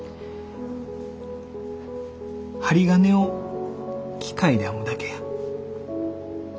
針金を機械で編むだけや。